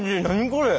これ。